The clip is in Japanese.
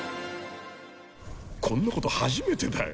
こんなこと初めてだよ。